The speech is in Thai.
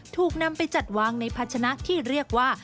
ถูกนำไปจัดวางในพัชนะที่เรียกว่า